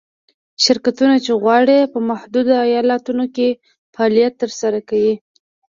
شرکتونه چې غواړي په متحده ایالتونو کې فعالیت ترسره کړي.